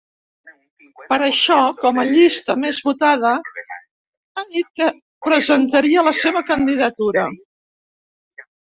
Per això, com a llista més votada, ha dit que presentaria la seva candidatura.